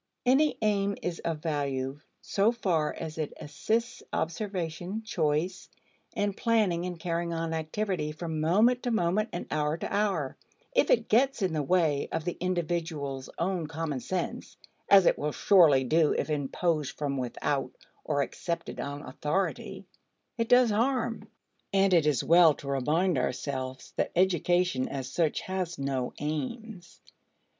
Any aim is of value so far as it assists observation, choice, and planning in carrying on activity from moment to moment and hour to hour; if it gets in the way of the individual's own common sense (as it will surely do if imposed from without or accepted on authority) it does harm. And it is well to remind ourselves that education as such has no aims.